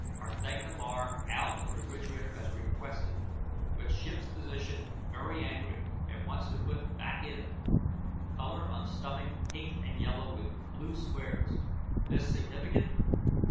R'THAGNA BAR OUT OF REFRIGERATOR AS REQUESTED BUT SHIPS PHYSICIAN VERY ANGRY AND WANTS TO PUT BACK IN. COLOR ON STOMACH PINK AND YELLOW WITH BLUE SQUARES. THIS SIGNIFICANT?